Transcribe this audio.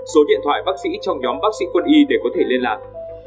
số điện thoại bác sĩ trong nhóm bác sĩ quân y để có thể liên lạc